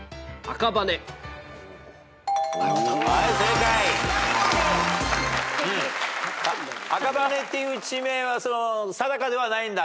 赤羽っていう地名は定かではないんだ。